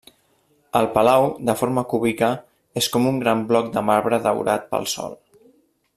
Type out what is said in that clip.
El palau, de forma cúbica, és com un gran bloc de marbre daurat pel sol.